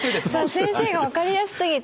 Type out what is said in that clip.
先生が分かりやすすぎて。